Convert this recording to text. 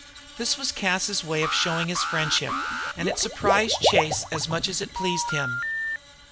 This was Cas's way of showing his friendship, and it surprised Chase as much as it pleased him.